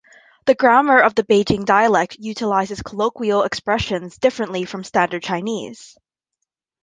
The grammar of the Beijing dialect utilizes colloquial expressions differently from Standard Chinese.